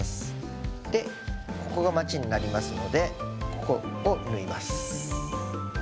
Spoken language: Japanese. でここがまちになりますのでここを縫います。